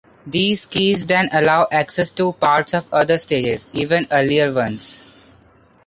These keys then allow access to parts of other stages, even earlier ones.